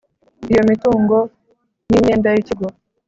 iyo mitungo n imyenda y ikigo.